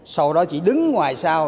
sau đó chỉ đứng ngoài sau